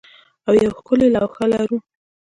او یوه ښکلې لوحه لرو